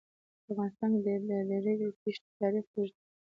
په افغانستان کې د د ریګ دښتې تاریخ اوږد دی.